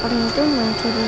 orang itu mencuri